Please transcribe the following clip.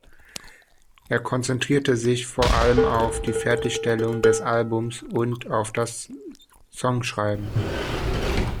Er konzentrierte sich vor allem auf die Fertigstellung des Albums und auf das Songschreiben.